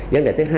vấn đề thứ hai